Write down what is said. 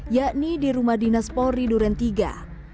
yakni di rumah dinas polri duren iii